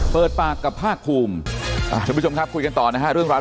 เปิดปากกับภาคภูมิท่านผู้ชมครับคุยกันต่อนะฮะเรื่องราว